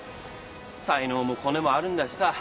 才能もコネもあるんだしさ。